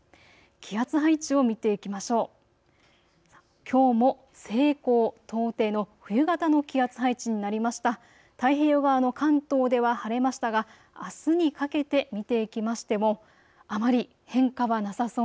気圧配置を見ていきましょう。